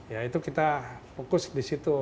ya itu kita fokus di situ